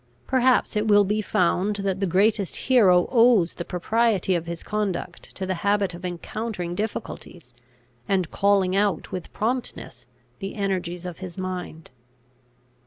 Perhaps it will be found that the greatest hero owes the propriety of his conduct to the habit of encountering difficulties, and calling out with promptness the energies of his mind.